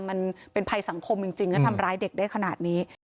มันเป็นภัยสังคมจริงแล้วทำร้ายเด็กได้ขนาดนี้